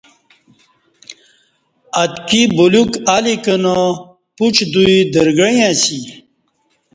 اتکی بولیوک الی کنا پوچ دوئی درگݩعی اسی